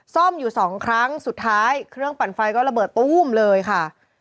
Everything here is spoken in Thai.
ซ่อมอยู่สองครั้งสุดท้ายเครื่องปั่นไฟก็ระเบิดตู้มเลยค่ะ